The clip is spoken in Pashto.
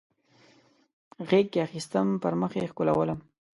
غیږ کې اخیستم پر مخ یې ښکلولم